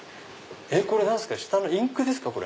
これ下のインクですか？